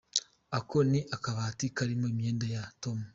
Ako ni akabati karimo imyenda ya Tom.